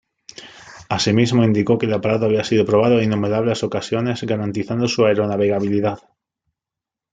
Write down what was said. Asimismo indicó que el aparato había sido probado en innumerables ocasiones garantizando su aeronavegabilidad.